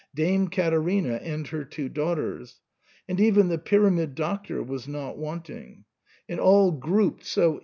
Dame Caterina and her two daughters, — and even the Pyramid Doctor was not wanting, — and all grouped so SIGNOR FORMICA.